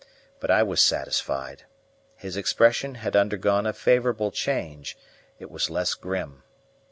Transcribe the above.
But I was satisfied. His expression had undergone a favourable change; it was less grim.